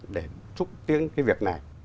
để trúc tiến cái việc này